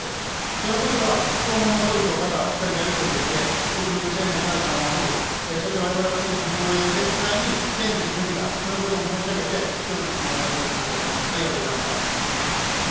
そのことは今後も総理とまたしっかりやり取りをして、国民の生命、財産を守る、そしてわれわれは専守防衛を絶対に堅持すべきだ、そのことも申し上げて、きょうの質問を終わりにさせていただきます。